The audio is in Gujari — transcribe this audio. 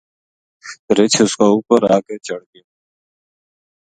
رِچھ اس کے اُپر آ کے چَڑھ گیو